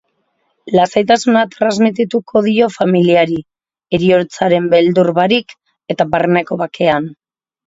Lasaitasuna transmitituko dio familiari, heriotzaren beldur barik eta barneko bakean.